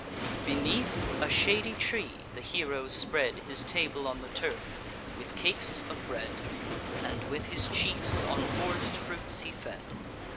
Beneath a shady tree, the hero spread His table on the turf, with cakes of bread; And, with his chiefs, on forest fruits he fed.